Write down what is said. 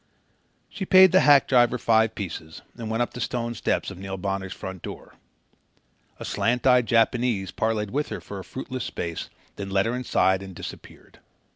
She paid the hack driver five pieces and went up the stone steps of Neil Bonner's front door. A slant eyed Japanese parleyed with her for a fruitless space, then led her inside and disappeared.